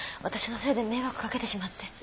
私のせいで迷惑かけてしまって。